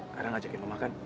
karang ajaknya mau makan